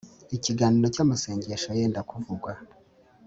ikiganiro cyamasengesho yenda kuvugwa